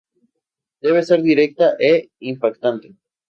Debe ser directa e impactante.